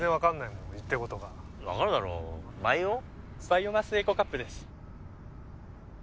バイオマスエコカップです。